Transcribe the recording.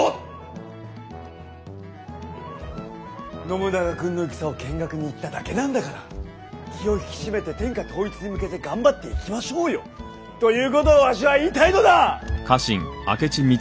「信長君の戦を見学に行っただけなんだから気を引き締めて天下統一に向けて頑張っていきましょうよ」という事をわしは言いたいのだ！